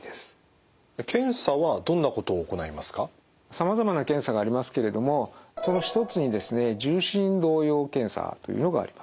さまざまな検査がありますけれどもその一つにですね重心動揺検査というのがあります。